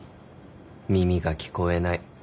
耳が聞こえない。